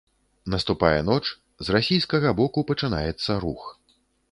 Наступае ноч, з расійскага боку пачынаецца рух.